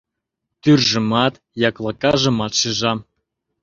Тӱржымат, яклакажымат шижам...